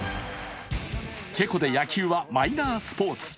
チェコで野球はマイナースポーツ。